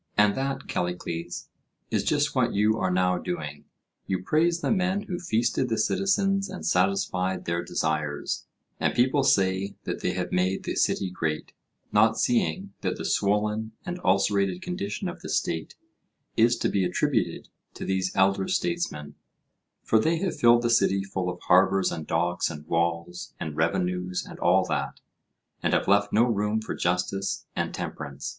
And that, Callicles, is just what you are now doing. You praise the men who feasted the citizens and satisfied their desires, and people say that they have made the city great, not seeing that the swollen and ulcerated condition of the State is to be attributed to these elder statesmen; for they have filled the city full of harbours and docks and walls and revenues and all that, and have left no room for justice and temperance.